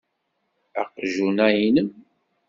Aqjun-a inem.